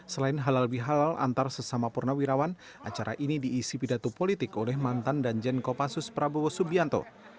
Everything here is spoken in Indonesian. selain halal bihalal antar sesama purnawirawan acara ini diisi pidato politik oleh mantan danjen kopassus prabowo subianto